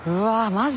マジ？